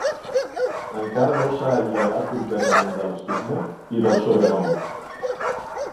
Encara no s'ha alliberat completament de l'estigma i del sobrenom.